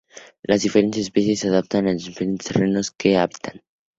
Las diferentes especies se adaptan a los diferentes terrenos que habitan.